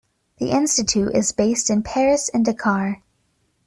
The Institute is based in Paris and Dakar.